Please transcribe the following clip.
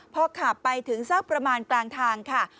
พอขับไปถึงสักประมาณกลางทางค่ะ